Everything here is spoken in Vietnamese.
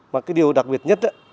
mà cái điều đặc biệt nhất